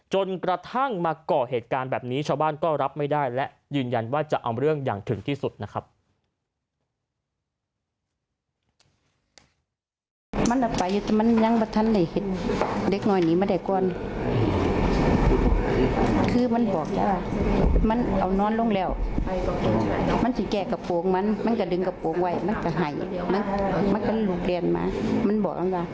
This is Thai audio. จนกระทั่งมาก่อเหตุการณ์แบบนี้ชาวบ้านก็รับไม่ได้และยืนยันว่าจะเอาเรื่องอย่างถึงที่สุดนะครับ